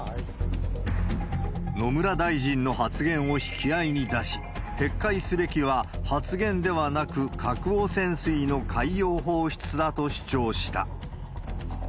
野村大臣の発言を引き合いに出し、撤回すべきは発言ではなく、核汚染水の海洋放出だと主張した。